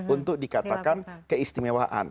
untuk dikatakan keistimewaan